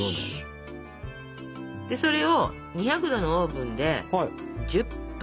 それを２００℃のオーブンで１０分！